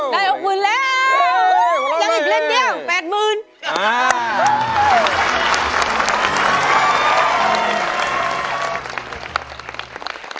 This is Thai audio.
ได้๖๐๐๐๐บาทแล้วยังอีกเล่นเดียว๘๐๐๐๐บาทอ่า